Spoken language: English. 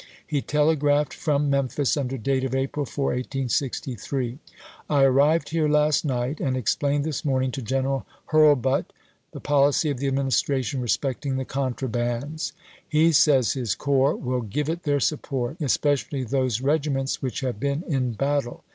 He telegraphed from Mem phis under date of April 4, 1863 :" I an ived here last night, and explained this morning to General Hurlbut the policy of the Administration respect ing the contrabands. He says his corps will give it their support, especially those regiments which have been in battle.